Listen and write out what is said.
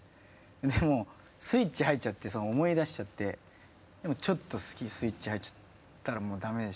もうスイッチ入っちゃって思い出しちゃってちょっと好きスイッチ入っちゃったらもう駄目でしたね。